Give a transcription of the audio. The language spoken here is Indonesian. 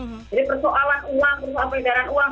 jadi persoalan uang persoalan pembayaran uang